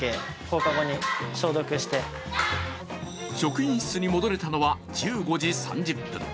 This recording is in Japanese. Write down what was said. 職員室に戻れたのは１５時３０分。